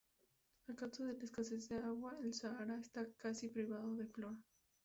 A causa de la escasez del agua, el Sahara está casi privado de flora.